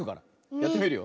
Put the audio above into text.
やってみるよ。